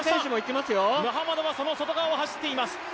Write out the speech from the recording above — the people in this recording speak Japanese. ムハマドはその外側を走っています。